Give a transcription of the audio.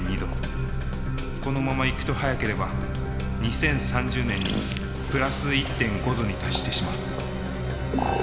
このままいくと早ければ２０３０年にプラス１．５℃に達してしまう。